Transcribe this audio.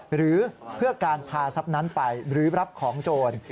หรือเพื่อการพาทรัพย์นั้นไปหรือรับของโจร